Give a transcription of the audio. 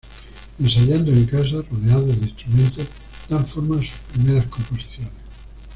Ensayando en casa, rodeados de instrumentos, dan forma a sus primeras composiciones.